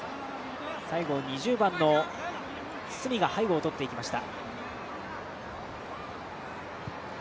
最後２０番の角が背後をとっていきました。